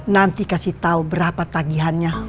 nanti kasih tahu berapa tagihannya